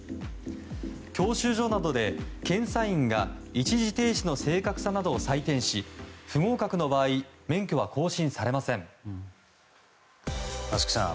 教習所などで検査員が一時停止の正確さなどを採点し不合格の場合免許は更新されません。